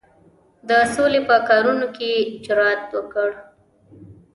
د سولي په کارونو کې یې جرأت وکړ.